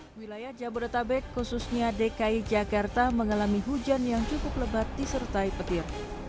di wilayah jabodetabek khususnya dki jakarta mengalami hujan yang cukup lebat disertai petir